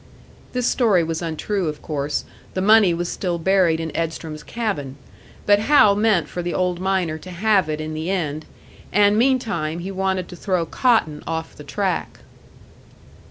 This story was untrue, of course; the money was still buried in Edstrom's cabin. But Hal meant for the old miner to have it in the end, and meantime he wanted to throw Cotton off the track.